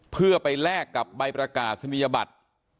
เพื่อไปแลกกับใบประกาศนียบัตร